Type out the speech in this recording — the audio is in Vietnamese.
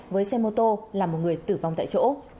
với xe mô tô làm một người tử vong tại chỗ